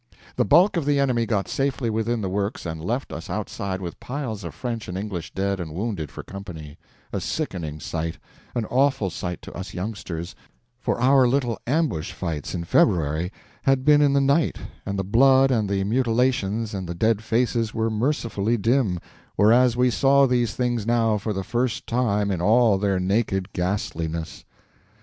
The bulk of the enemy got safely within the works and left us outside with piles of French and English dead and wounded for company—a sickening sight, an awful sight to us youngsters, for our little ambush fights in February had been in the night, and the blood and the mutilations and the dead faces were mercifully dim, whereas we saw these things now for the first time in all their naked ghastliness.